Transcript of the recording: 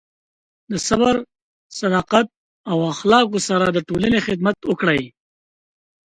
د صبر، صداقت، او اخلاقو سره د ټولنې خدمت وکړئ.